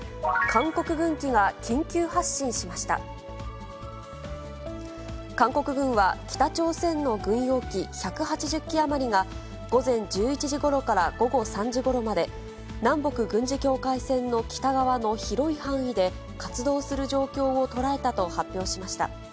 韓国軍は北朝鮮の軍用機１８０機余りが、午前１１時ごろから午後３時ごろまで、南北軍事境界線の北側の広い範囲で、活動する状況を捉えたと発表しました。